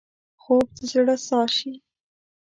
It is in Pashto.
خوب د زړه ساه شي